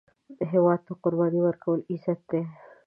هیواد ته قرباني ورکول، عزت دی